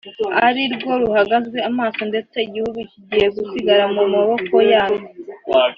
ari rwo ruhanzwe amaso ndetse igihugu kigiye gusigara mu maboko yarwo